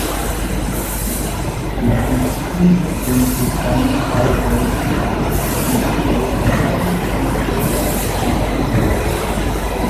La kontaktiĝo kun hispaniaj politikaj aktivuloj okazis en pluraj aranĝoj.